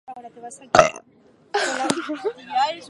Consulteu l’estat de tots els vols d’arribada i sortida ací.